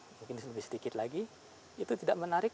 mungkin lebih sedikit lagi itu tidak menarik